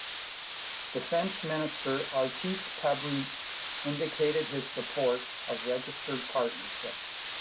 Defence Minister Artis Pabriks indicated his support of registered partnerships.